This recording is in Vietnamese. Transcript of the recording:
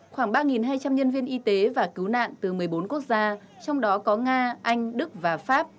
khoảng ba hai trăm linh nhân viên y tế và cứu nạn từ một mươi bốn quốc gia trong đó có nga anh đức và pháp